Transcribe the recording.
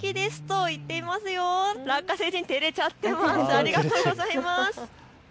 ありがとうございます。